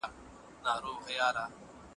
که ټولنه بدلیږي نو خامخا علتونه لري.